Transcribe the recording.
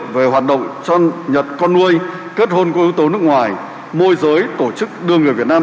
về hoạt động cho nhật con nuôi kết hôn của ưu tố nước ngoài môi giới tổ chức đưa người việt nam